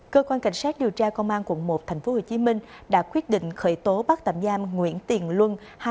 cơ quan cảnh sát điều tra công an quận một tp hcm đã quyết định khởi tố bắt tạm giam nguyễn tiền luân